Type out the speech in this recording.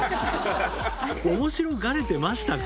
面白がれていましたか？